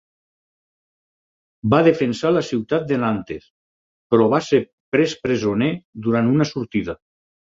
Va defensar la ciutat de Nantes, però va ser pres presoner durant una sortida.